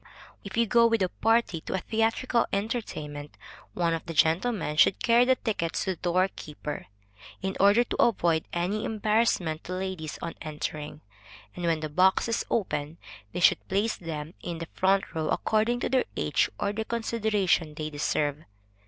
If you go with a party to a theatrical entertainment, one of the gentlemen should carry the tickets to the door keeper, in older to avoid any embarrassment to ladies on entering; and when the box is open, they should place them in the front row, according to their age, or the consideration they deserve.